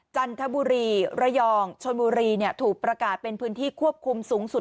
จันทบุรีระยองชนบุรีถูกประกาศเป็นพื้นที่ควบคุมสูงสุด